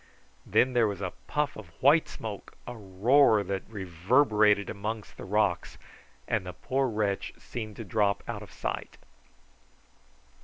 Then there was a puff of white smoke, a roar that reverberated amongst the rocks, and the poor wretch seemed to drop out of sight.